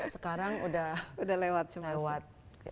sekarang udah lewat